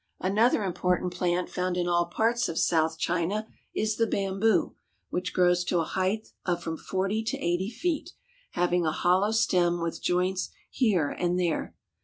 Another important plant found in all parts of south China is the bamboo, which grows to a height of from forty to eighty feet, having a hollow stem with joints here and there.